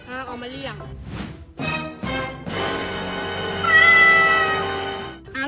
อ่าเอามาเลี่ยง